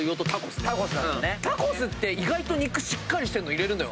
タコスって意外と肉しっかりしてるの入れるのよ。